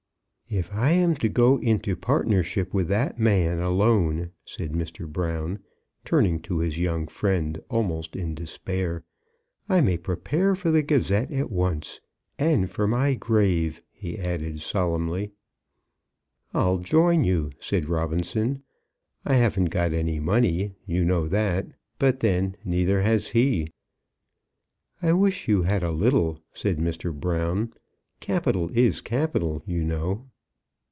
"If I am to go into partnership with that man alone," said Mr. Brown, turning to his young friend almost in despair, "I may prepare for the Gazette at once. And for my grave!" he added, solemnly. "I'll join you," said Robinson. "I haven't got any money. You know that. But then neither has he." "I wish you had a little," said Mr. Brown. "Capital is capital, you know."